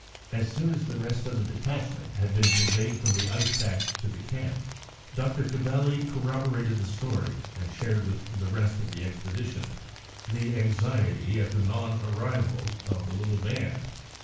As soon as the rest of the detachment had been conveyed from the ice pack to the camp, Dr. Cavalli corroborated the story and shared, with the rest of the expedition, the anxiety at the non arrival of the little band.